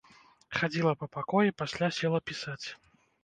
Хадзіла па пакоі, пасля села пісаць.